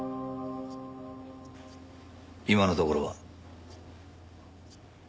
今のところは。